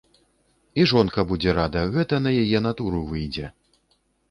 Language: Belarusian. І жонка будзе рада, гэта на яе натуру выйдзе.